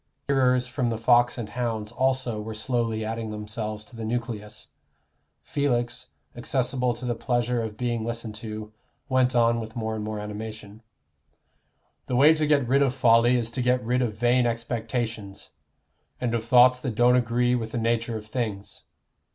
Hearers from the Fox and Hounds also were slowly adding themselves to the nucleus. Felix, accessible to the pleasure of being listened to, went on with more and more animation: "The way to get rid of folly is to get rid of vain expectations, and of thoughts that don't agree with the nature of things.